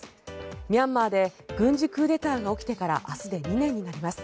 ミャンマーで軍事クーデターが起きてから明日で２年になります。